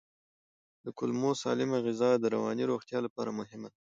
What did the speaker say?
د کولمو سالمه غذا د رواني روغتیا لپاره مهمه ده.